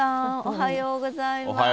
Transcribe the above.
おはようございます。